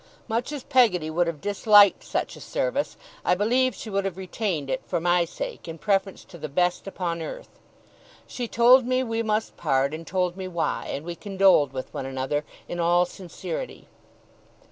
Much as Peggotty would have disliked such a service, I believe she would have retained it, for my sake, in preference to the best upon earth. She told me we must part, and told me why; and we condoled with one another, in all sincerity.